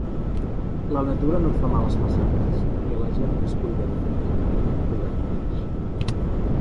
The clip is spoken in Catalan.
La natura no et fa males passades, perquè la gent que es cuida de fer maquinari t'ho garanteix.